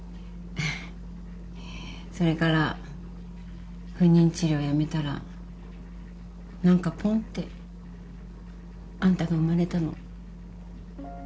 それから不妊治療やめたら何かポンってあんたが産まれたの。